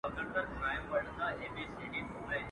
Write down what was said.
هغه زلمو او بوډاګانو ته منلی چنار.